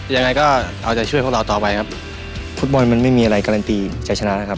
ยังไงก็เอาใจช่วยพวกเราต่อไปครับฟุตบอลมันไม่มีอะไรการันตีชัยชนะนะครับ